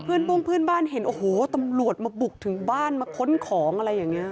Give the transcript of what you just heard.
บ้งเพื่อนบ้านเห็นโอ้โหตำรวจมาบุกถึงบ้านมาค้นของอะไรอย่างนี้